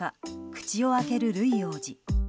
口を開けるルイ王子。